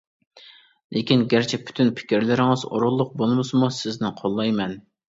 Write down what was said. لېكىن گەرچە پۈتۈن پىكىرلىرىڭىز ئورۇنلۇق بولمىسىمۇ، سىزنى قوللايمەن.